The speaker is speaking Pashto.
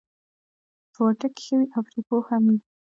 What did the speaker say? په وړتیا کې ښه وي او پرې پوه هم وي: